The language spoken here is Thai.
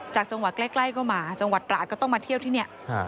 จากจังหวัดใกล้ก็มาจังหวัดตราดก็ต้องมาเที่ยวที่นี่